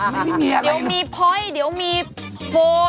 ไม่มีอะไรเดี๋ยวมีพอยต์เดี๋ยวมีโฟน